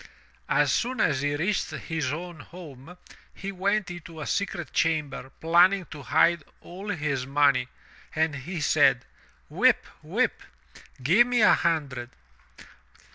As soon as he reached his own home he went into a secret chamber planning to hide all his money, and he said, "Whip, whip, give me a hundred!"